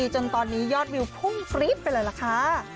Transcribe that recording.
จนตอนนี้ยอดวิวพุ่งปรี๊ดไปเลยล่ะค่ะ